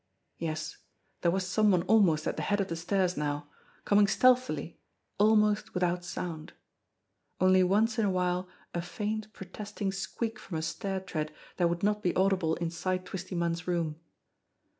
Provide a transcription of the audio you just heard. Yes, there was some one almost at the head of the 204 JIMMIE DALE AND THE PHANTOM CLUE stairs now, coming stealthily, almost without sound only once in a while a faint, protesting squeak from a stair tread that would not be audible inside Twisty Munn's room.